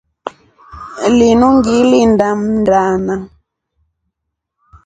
Linu ngilinda Mndana.